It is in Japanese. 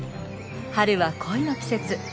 春は恋の季節。